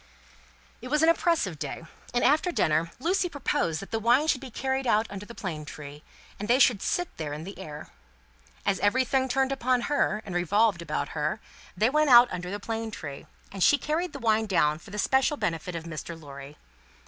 It was an oppressive day, and, after dinner, Lucie proposed that the wine should be carried out under the plane tree, and they should sit there in the air. As everything turned upon her, and revolved about her, they went out under the plane tree, and she carried the wine down for the special benefit of Mr. Lorry.